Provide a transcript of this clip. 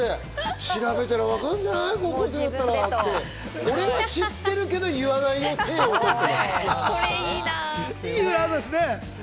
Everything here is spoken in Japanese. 調べたらわかるんじゃない、高校生になったらって、俺は知ってるけど言わない予定でいい案ですね。